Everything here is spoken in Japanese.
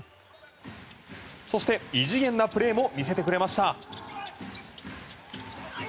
そして、異次元なプレーも見せてくれました。